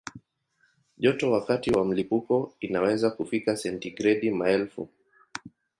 Joto wakati wa mlipuko inaweza kufikia sentigredi maelfu.